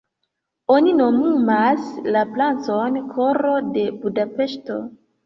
Oni nomumas la placon "koro de Budapeŝto".